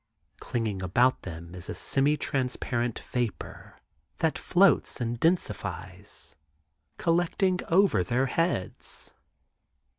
Clinging about them is a semi transparent vapor that floats and densifies, collecting over their heads.